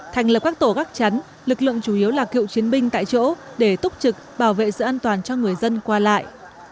thành lập các tổ gác chắn lực lượng chủ yếu là cựu chiến binh tại chỗ để túc trực bảo vệ sự an toàn cho người dân qua lại